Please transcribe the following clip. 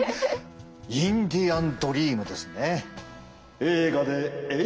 インディアンドリームですね。